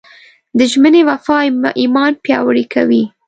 د ژمنې وفا ایمان پیاوړی کوي.